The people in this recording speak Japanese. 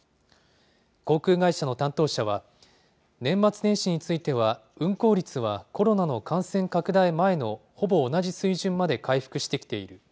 航空会社の担当者は、年末年始については、運航率はコロナの感染拡大前のほぼ同じ水準まで回復してきている。